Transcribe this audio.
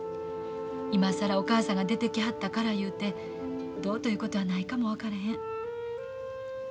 今更お母さんが出てきはったからいうてどうということはないかも分からへん。